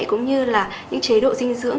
cũng như là những chế độ dinh dưỡng